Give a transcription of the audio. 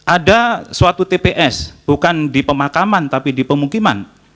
ada suatu tps bukan di pemakaman tapi di pemukiman